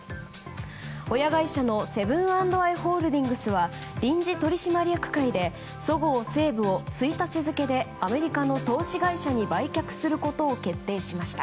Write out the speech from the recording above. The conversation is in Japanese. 親会社のセブン＆アイ・ホールディングスは臨時取締役会でそごう・西武を１日付でアメリカの投資会社に売却することを決定しました。